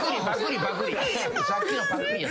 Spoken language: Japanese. さっきのパクリや。